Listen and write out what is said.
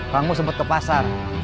bangku sempet ke pasar